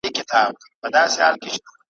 کله دې خوا کله ها خوا په ځغستا سو ,